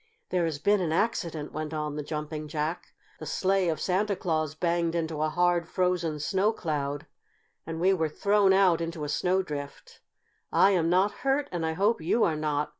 "There has been an accident," went on the Jumping Jack. "The sleigh of Santa Claus banged into a hard, frozen snow cloud, and we were thrown out into a snowdrift. I am not hurt, and I hope you are not.